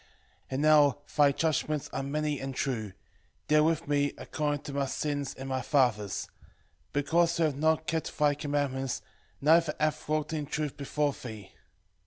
3:5 And now thy judgments are many and true: deal with me according to my sins and my fathers': because we have not kept thy commandments, neither have walked in truth before thee.